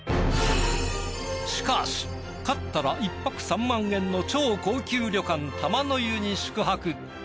しかし勝ったら１泊３万円の超高級旅館玉の湯に宿泊。